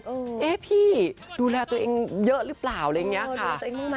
เอ๊ะพี่ดูแลตัวเองเยอะหรือเปล่าอะไรอย่างนี้ค่ะ